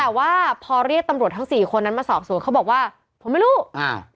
แต่ว่าพอเรียกตำรวจทั้งสี่คนนั้นมาสอบสวนเขาบอกว่าผมไม่รู้อ่า